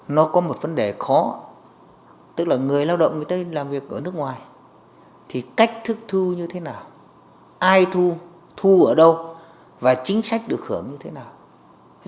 nó có một vấn đề khó tức là người lao động người ta làm việc ở nước ngoài thì cách thức thu như thế nào ai thu thu ở đâu và chính sách được hưởng như thế nào